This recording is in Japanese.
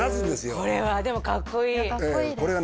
これはでもかっこいいこれがね